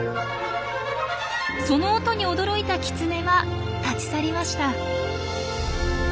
その音に驚いたキツネは立ち去りました。